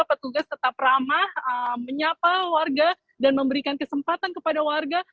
petugas tetap ramah menyapa warga dan memberikan kesempatan kepada warga